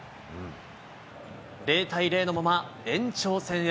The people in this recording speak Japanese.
０対０のまま延長戦へ。